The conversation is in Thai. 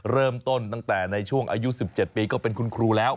เริ่มต้นตั้งแต่ในช่วงอายุ๑๗ปีก็เป็นคุณครูแล้ว